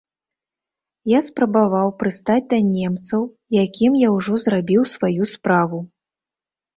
Я спрабаваў прыстаць да немцаў, якім я ўжо зрабіў сваю справу.